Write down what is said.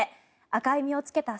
赤い実をつけた